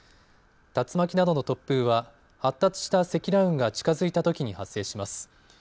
竜巻などの突風は発達した積乱雲が近づいたときに発生します。